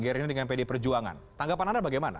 gerindra dengan pd perjuangan tanggapan anda bagaimana